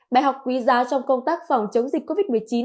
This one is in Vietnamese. bài học quý giá trong công tác phòng chống dịch covid một mươi chín